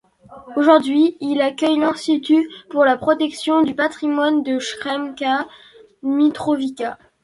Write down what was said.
Aujourd'hui, il accueille l'Institut pour la protection du patrimoine de Sremska Mitrovica.